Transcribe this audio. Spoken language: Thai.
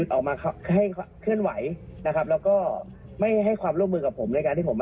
เดี๋ยวพ่อกลับไปเดี๋ยวขอผมกลับกรุงเทพก่อน